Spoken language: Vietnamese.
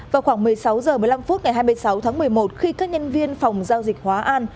vào khoảng một mươi sáu h một mươi năm phút ngày hai mươi sáu tháng một mươi một khi các nhân viên phòng giao dịch hóa an